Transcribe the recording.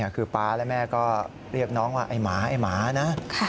คือป๊าและแม่ก็เรียกน้องว่าไอ้หมาไอ้หมานะ